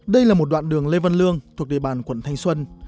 đây là một đoạn đường lê văn lương thuộc địa bàn quận thanh xuân